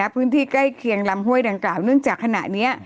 พื้นที่ใกล้เคียงลำห้วยดังกล่าวเนื่องจากขณะนี้